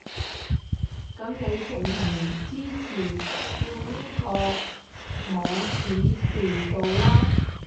噉你仲唔支持？照呢個網指示做啦